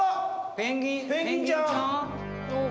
ペンギンちゃん。